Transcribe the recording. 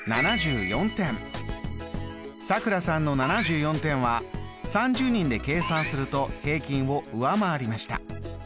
さくらさんの７４点は３０人で計算すると平均を上回りました。